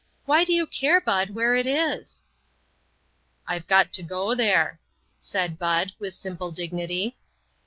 Why do you care, Bud, where it is?" " I've got to go there," said Bud, with simple dignity.